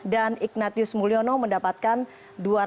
dan ignatius mulyono mendapatkan dua ratus lima puluh ribu us dollar